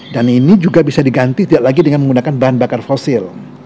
dan ini juga bisa diganti tidak lagi dengan menggunakan bahan bakar fosil